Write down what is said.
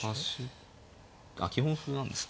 基本歩なんですか？